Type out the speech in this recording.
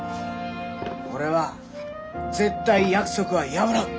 俺は絶対約束は破らん！